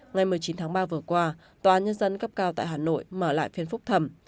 ngày một mươi chín tháng ba vừa qua tòa nhân dân cấp cao tại hà nội mở lại phiên phúc thẩm